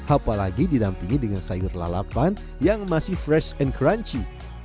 apalagi didampingi dengan sayur lalapan yang masih fresh and crunchy